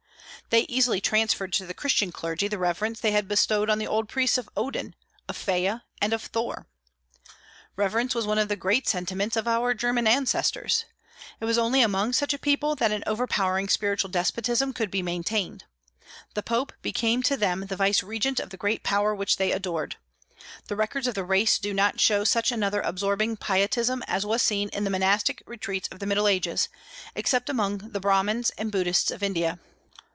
They easily transferred to the Christian clergy the reverence they had bestowed on the old priests of Odin, of Freya, and of Thor. Reverence was one of the great sentiments of our German ancestors. It was only among such a people that an overpowering spiritual despotism could be maintained. The Pope became to them the vicegerent of the great Power which they adored. The records of the race do not show such another absorbing pietism as was seen in the monastic retreats of the Middle Ages, except among the Brahmans and Buddhists of India.